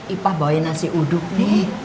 ipah bawain nasi uduk nih